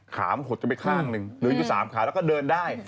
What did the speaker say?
ขามหดกันไปข้างหนึ่งเหลืออยู่๓ขาแล้วก็เดินได้